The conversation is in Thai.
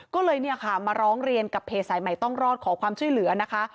ก็เลยเนี่ยค่ะมาร้องเรียนกับเพจสายใหม่ต้องรอดขอความช่วยเหลือนะคะ